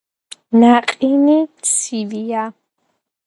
ნაყინი ცხელია